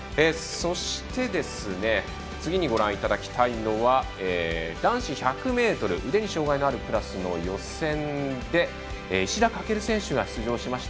そして次のご覧にただ着たいのは男子１００ｍ腕に障がいのあるクラスの予選で石田駆選手が出場しました。